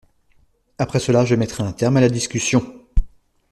Après cela, je mettrai un terme à la discussion.